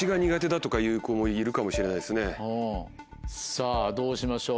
さぁどうしましょう？